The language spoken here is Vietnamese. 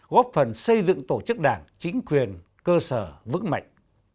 góp phần xây dựng tổ chức đảng chính quyền cơ sở vững mạnh